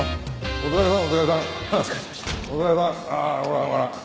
お疲れさん。